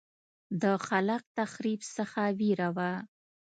د خلاق تخریب څخه وېره وه.